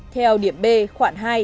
theo điểm b khoảng hai